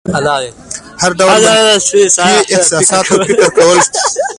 له هر ډول منفي احساساتو اخوا فکر وکولی شي.